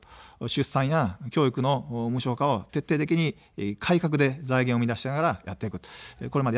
出産や教育の無償化を徹底的に改革で財源を生み出しながらやってきました。